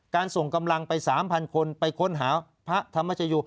ส่งกำลังไป๓๐๐คนไปค้นหาพระธรรมชโย